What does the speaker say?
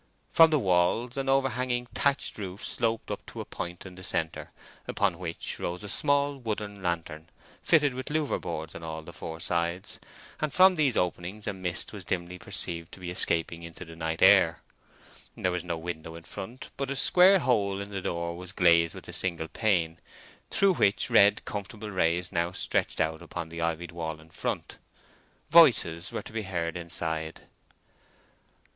From the walls an overhanging thatched roof sloped up to a point in the centre, upon which rose a small wooden lantern, fitted with louvre boards on all the four sides, and from these openings a mist was dimly perceived to be escaping into the night air. There was no window in front; but a square hole in the door was glazed with a single pane, through which red, comfortable rays now stretched out upon the ivied wall in front. Voices were to be heard inside.